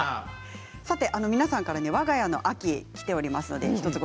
皆さんからわが家の秋がきております。